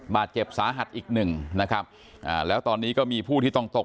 บาดเจ็บสาหัสอีกหนึ่งนะครับอ่าแล้วตอนนี้ก็มีผู้ที่ต้องตก